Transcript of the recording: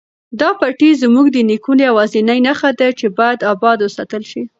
دا پټی زموږ د نیکونو یوازینۍ نښه ده چې باید اباد وساتل شي.